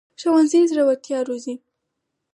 ښوونځی زړورتیا روزي